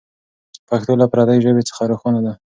پښتو له پردۍ ژبې څخه روښانه ده.